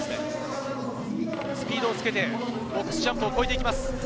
スピードをつけてボックスジャンプを越えていきます。